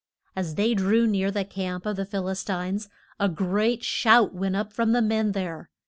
As they drew near the camp of the Phil is tines a great shout went up from the men there.